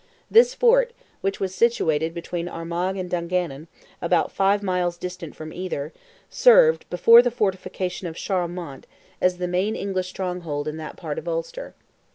This fort, which was situated between Armagh and Dungannon, about five miles distant from either, served, before the fortification of Charlemont, as the main English stronghold in that part of Ulster.